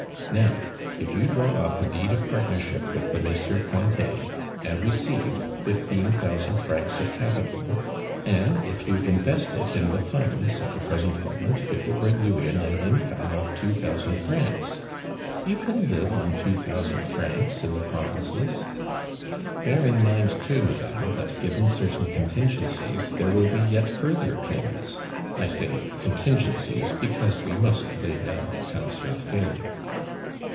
"Now if you draw up a deed of partnership with the MM. Cointet, and receive fifteen thousand francs of capital; and if you invest it in the funds at the present moment, it will bring you in an income of two thousand francs. You can live on two thousand francs in the provinces. Bear in mind, too, madame, that, given certain contingencies, there will be yet further payments. I say 'contingencies,' because we must lay our accounts with failure.